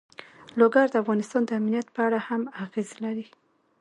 لوگر د افغانستان د امنیت په اړه هم اغېز لري.